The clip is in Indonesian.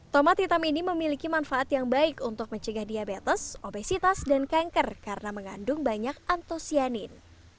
tomat hitam ini memiliki manfaat yang baik untuk mencegah diabetes obesitas dan kanker karena mengandung banyak antosianin